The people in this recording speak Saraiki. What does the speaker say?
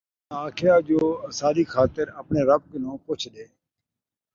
پر اُنھاں آکھیا جو اَساݙی خاطر آپڑیں رَبّ کنوں پُچھ ݙے